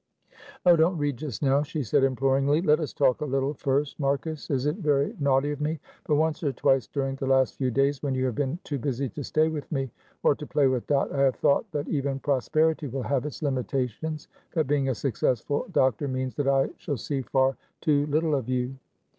"Oh don't read just now," she said, imploringly; "let us talk a little first, Marcus, is it very naughty of me? but once or twice during the last few days, when you have been too busy to stay with me, or to play with Dot, I have thought that even prosperity will have its limitations; that being a successful doctor means that I shall see far too little of you."